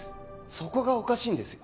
そこがおかしいんですよ